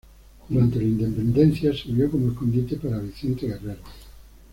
Durante la independencia sirvió como escondite para Vicente Guerrero.